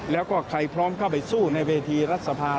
แล้วก็ใครพร้อมเข้าไปสู้ในเวทีรัฐสภา